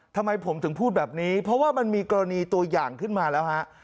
ทำไมผมถึงพูดแบบนี้เพราะว่ามันมีกรณีตัวอย่างขึ้นมาแล้วฮะ